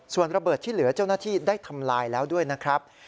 ส่วนระเบิดที่เหลือเจ้าหน้าที่ได้ทำลายแล้วด้วยนะครับ